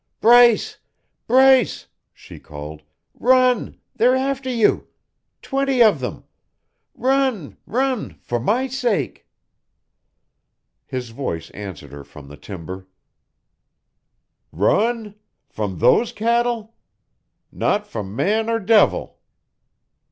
"Bryce! Bryce!" she called. "Run! They're after you. Twenty of them! Run, run for my sake!" His voice answered her from the timber: "Run? From those cattle? Not from man or devil."